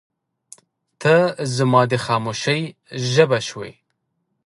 • ته زما د خاموشۍ ژبه شوې.